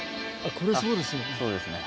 これそうですよね。